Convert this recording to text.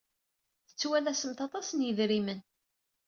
Tettwalasemt aṭas n yidrimen.